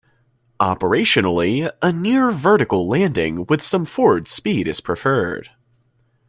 Operationally, a near-vertical landing with some forward speed is preferred.